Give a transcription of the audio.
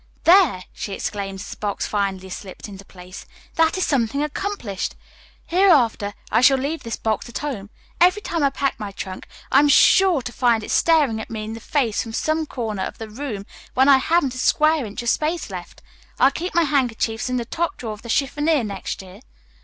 "There!" she exclaimed as the box finally slipped into place, "that is something accomplished. Hereafter, I shall leave this box at home. Every time I pack my trunk I am sure to find it staring me in the face from some corner of the room when I haven't a square inch of space left. I'll keep my handkerchiefs in the top drawer of the chiffonier next year."